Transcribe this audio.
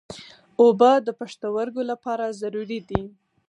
اوبه د پښتورګو لپاره ضروري دي.